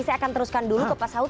saya akan teruskan dulu ke pak saud